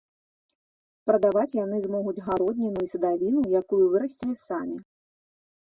Прадаваць яны змогуць гародніну і садавіну, якую вырасцілі самі.